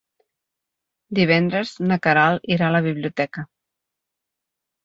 Divendres na Queralt irà a la biblioteca.